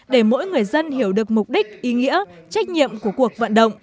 để mỗi người dân hiểu được mục đích ý nghĩa trách nhiệm của cuộc vận động